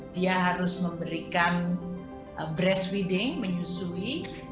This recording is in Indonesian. dia harus memberikan breastfeeding menyusui